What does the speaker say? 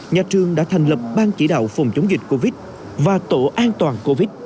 nhà trường đã thành lập ban chỉ đạo phòng chống dịch covid và tổ an toàn covid